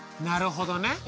なるほどね。